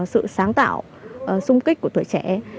sự sáng tạo sung kích của tuổi trẻ